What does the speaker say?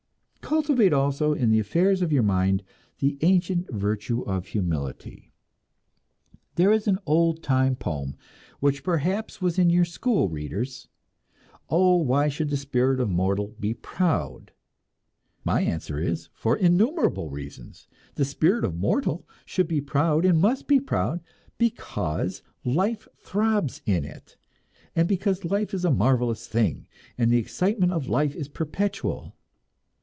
Cultivate also, in the affairs of your mind, the ancient virtue of humility. There is an oldtime poem, which perhaps was in your school readers, "Oh, why should the spirit of mortal be proud?" My answer is, for innumerable reasons. The spirit of mortal should be proud and must be proud because life throbs in it, and because life is a marvelous thing, and the excitement of life is perpetual.